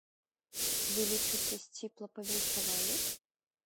Вы лічыце, сціпла павіншавалі?